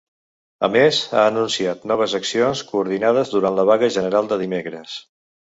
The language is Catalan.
A més, ha anunciat noves accions coordinades durant la vaga general de dimecres.